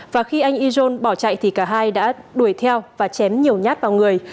và khi anh izon bỏ chạy thì cả hai đã đuổi theo và chém nhiều nhát vào người